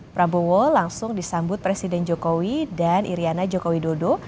prabowo langsung disambut presiden jokowi dan iryana joko widodo